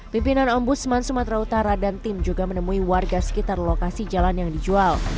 pimpinan ombudsman sumatera utara dan tim juga menemui warga sekitar lokasi jalan yang dijual